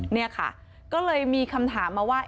นี่ค่ะก็เลยมีคำถามมาว่า